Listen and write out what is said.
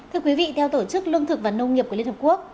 thưa quý vị theo tổ chức lương thực và nông nghiệp của liên hợp quốc